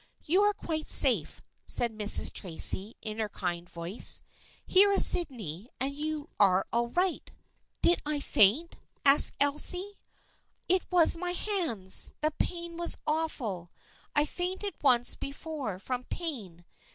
" You are quite safe," said Mrs. Tracy in her kind voice. " Here is Sydney, and you are all right." THE FRIENDSHIP OF ANNE 131 " Did I faint ?" asked Elsie. " It was my hands. The pain was awful. I fainted once before from pain.